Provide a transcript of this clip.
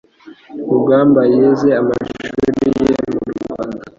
Rugamba yize amashuri ye mu Rwanda